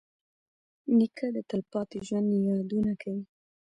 نیکه د تلپاتې ژوند یادونه کوي.